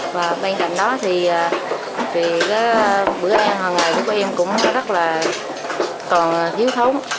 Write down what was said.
và bên cạnh đó thì việc bữa ăn hằng ngày của các em cũng rất là còn thiếu thống